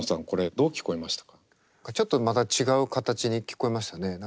これちょっとまた違う形に聞こえましたね。